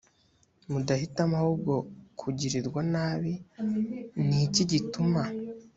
mudahitamo ahubwo kugirirwa nabi ni iki gituma